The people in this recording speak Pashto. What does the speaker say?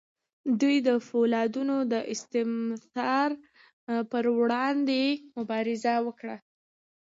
دوی د فیوډالانو د استثمار پر وړاندې مبارزه وکړه.